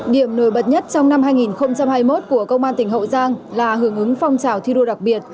điểm nổi bật nhất trong năm hai nghìn hai mươi một của công an tỉnh hậu giang là hưởng ứng phong trào thi đua đặc biệt